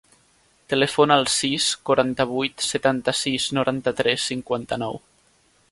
Telefona al sis, quaranta-vuit, setanta-sis, noranta-tres, cinquanta-nou.